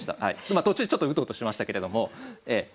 まあ途中ちょっとうとうとしましたけれども。